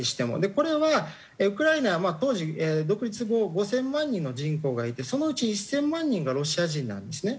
これはウクライナは当時独立後５０００万人の人口がいてそのうち１０００万人がロシア人なんですね。